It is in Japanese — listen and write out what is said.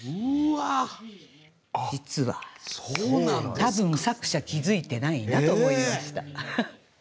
多分作者気付いてないなと思いました。